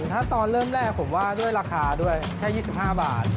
ถ้าตอนเริ่มแรกผมว่าด้วยราคาด้วยแค่๒๕บาท